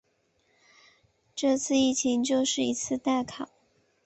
这次疫情就是一次大考